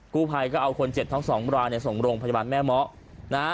กู้ภัยก็เอาคนเจ็บทั้งสองบราส่งโรงพัจจุบันแม่มนะฮะ